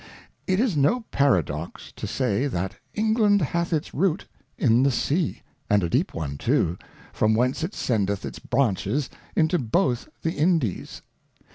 It is no Paradox to say, that England^ hath its Root in the Sea, and a deep^one too^ from whence i t sRiidpth^its Tti ancKps intoJiQt h the Indies.